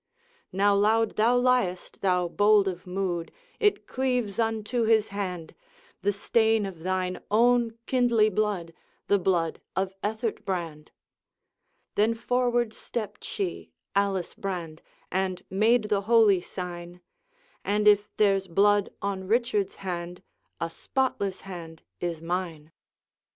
'Now loud thou liest, thou bold of mood! It cleaves unto his hand, The stain of thine own kindly blood, The blood of Ethert Brand.' Then forward stepped she, Alice Brand, And made the holy sign, 'And if there's blood on Richard's hand, A spotless hand is mine.